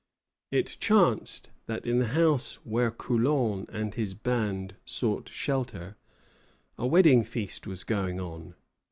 It chanced that in the house where Coulon and his band sought shelter, a wedding feast was going on.